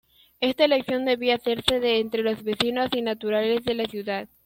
Esta elección debía hacerse de entre los vecinos y naturales de la ciudad.